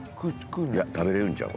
いや食べれるんちゃう？